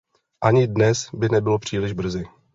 Ani dnes by nebylo příliš brzy!